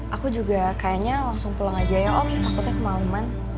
aku juga kayaknya langsung pulang aja ya om takutnya kemauan